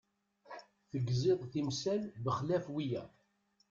Tegziḍ timsal bexlaf wiyaḍ.